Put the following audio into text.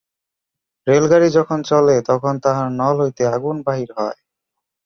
রেলগাড়ি যখন চলে তখন তাহার নল হইতে আগুন বাহির হয়।